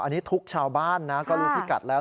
อันนี้ทุกข์ชาวบ้านนะก็รู้พิกัดแล้ว